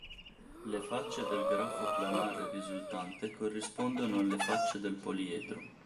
Le facce del grafo planare risultante corrispondono alle facce del poliedro.